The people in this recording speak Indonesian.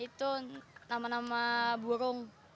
itu nama nama burung